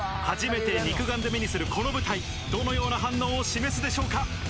初めて肉眼で目にするこの舞台どのような反応を示すでしょうか。